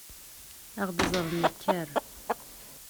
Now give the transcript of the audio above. Ad ɣ-d-ẓren nekker.